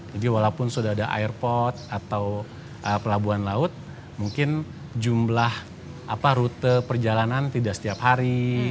jadi walaupun sudah ada airpod atau pelabuhan laut mungkin jumlah rute perjalanan tidak setiap hari